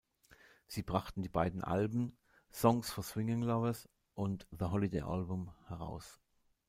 Sie brachten die beiden Alben: "Songs for Swinging Lovers" und "The Holiday Album" heraus.